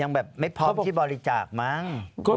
แบบไม่พร้อมที่บริจาคมั้ง